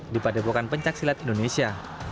di padepokan pencaksilat indonesia